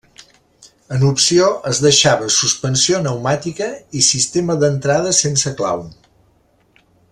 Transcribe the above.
En opció es deixava suspensió neumàtica i sistema d'entrada sense clau.